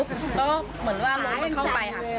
ก็เหมือนว่ามันเข้าไปค่ะ